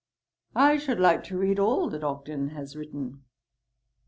'I should like to read all that Ogden has written.'